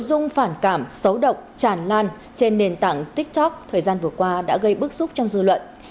nội dung phản cảm xấu động tràn lan trên nền tảng tiktok thời gian vừa qua đã gây bức xúc trong dư luận